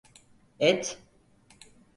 Et…